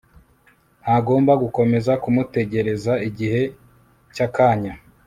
Ntagomba gukomeza kumutegereza Igihe cyakanda